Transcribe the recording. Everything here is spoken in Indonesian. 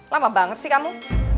lama banget sih kamu